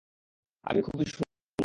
আমি খুবই সুন্দর।